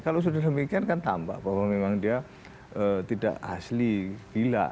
kalau sudah demikian kan tampak bahwa memang dia tidak asli gila